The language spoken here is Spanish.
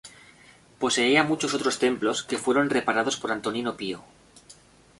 Poseía muchos otros templos, que fueron reparados por Antonino Pío.